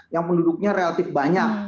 yang penduduknya relatif banyak